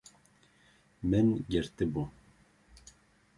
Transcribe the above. Min girtibû